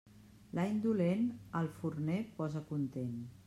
L'any dolent, al forner posa content.